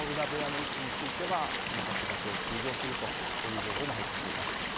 部屋の力士については初場所を休場するというこういう情報も入ってきています。